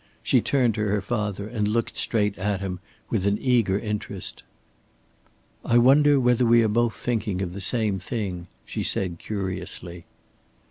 She turned to her father and looked straight at him with an eager interest. "I wonder whether we are both thinking of the same thing," she said, curiously.